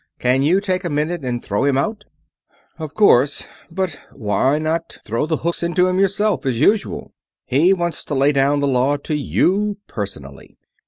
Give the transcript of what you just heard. Can you take a minute and throw him out?" "Of course, if you say so, but why not throw the hooks into him yourself, as usual?" "He wants to lay down the law to you, personally.